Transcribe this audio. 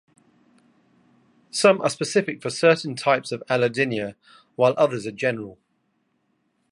Some are specific for certain types of allodynia while others are general.